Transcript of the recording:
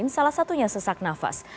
salah satunya sesak nafas